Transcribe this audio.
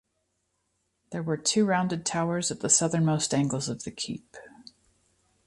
There were two rounded towers at the southernmost angles of the keep.